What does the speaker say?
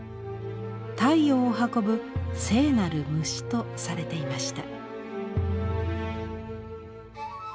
太陽を運ぶ聖なる虫とされていました。